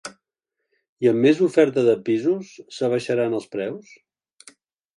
I amb més oferta de pisos, s’abaixaran els preus?